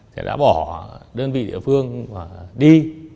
thì đã bỏ đơn vị địa phương và đi